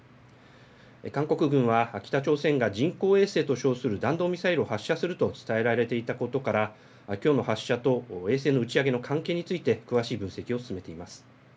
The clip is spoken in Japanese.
韓国軍は北朝鮮が人工衛星と称する弾道ミサイルを発射すると伝えられていたことからきょうの発射と衛星の打ち上げの関係について詳しい分析を進めています。